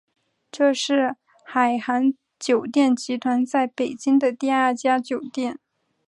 这是海航酒店集团在北京的第二家酒店。